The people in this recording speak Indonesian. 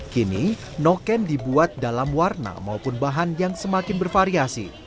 kini noken dibuat dalam warna maupun bahan yang semakin bervariasi